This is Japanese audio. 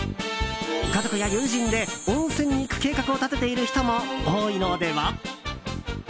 家族や友人で温泉に行く計画を立てている人も多いのでは？